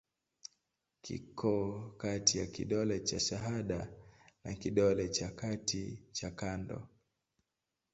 Kiko kati ya kidole cha shahada na kidole cha kati cha kando.